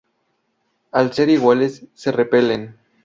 Al ser iguales, se repelen.